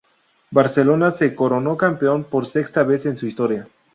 Barcelona se coronó campeón por sexta vez en su historia.